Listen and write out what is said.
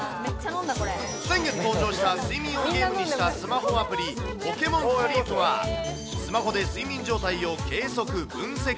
先月登場した睡眠をゲームにしたスマホアプリ、ポケモンスリープは、スマホで睡眠状態を計測・分析。